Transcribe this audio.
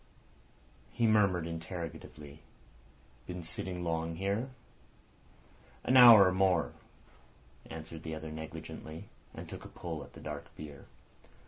He murmured interrogatively: "Been sitting long here?" "An hour or more," answered the other negligently, and took a pull at the dark beer.